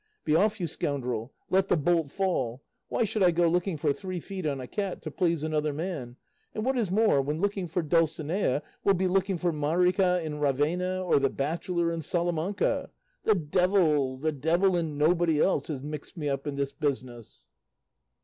Be off, you scoundrel! Let the bolt fall. Why should I go looking for three feet on a cat, to please another man; and what is more, when looking for Dulcinea will be looking for Marica in Ravena, or the bachelor in Salamanca? The devil, the devil and nobody else, has mixed me up in this business!"